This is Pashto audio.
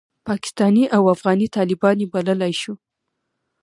پاکستاني او افغاني طالبان یې بللای شو.